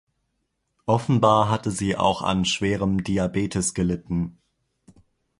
Offenbar hatte sie auch an schwerem Diabetes gelitten.